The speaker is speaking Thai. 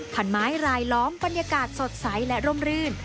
พันไม้รายล้อมบรรยากาศสดใสและร่มรื่น